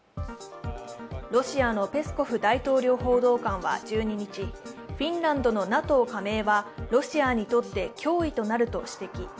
ロシアのペスコフ大統領報道官は１２日、フィンランドのＮＡＴＯ加盟はロシアにとって脅威となると指摘。